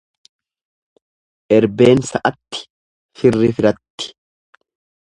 Erbeen sa'atti firri firatti.